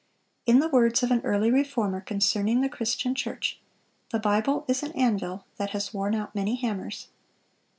In the words of an early Reformer concerning the Christian church, "The Bible is an anvil that has worn out many hammers."